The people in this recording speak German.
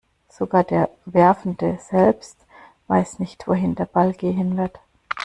Sogar der Werfende selbst weiß nicht, wohin der Ball gehen wird.